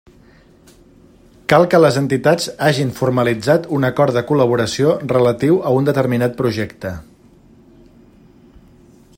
Cal que les entitats hagin formalitzat un acord de col·laboració relatiu a un determinat projecte.